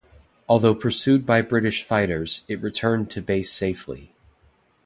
Although pursued by British fighters, it returned to base safely.